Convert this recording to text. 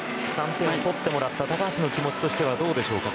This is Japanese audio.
３点取ってもらった高橋の気持ちとしてはどうでしょうか